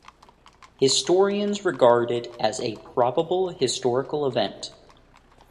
Historians regard it as a probable historical event.